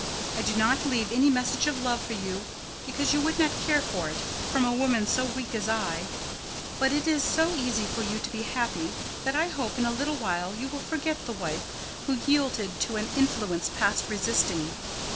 I do not leave any message of love for you, because you would not care for it from a woman so weak as I. But it is so easy for you to be happy that I hope in a little while you will forget the wife who yielded to an influence past resisting.